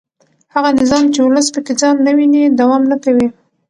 هغه نظام چې ولس پکې ځان نه ویني دوام نه کوي